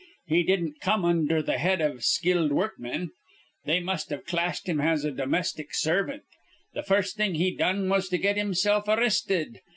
He didn't come undher th' head iv skilled workman. They must've classed him as a domestic servant. Th' first thing he done was to get himsilf arristed.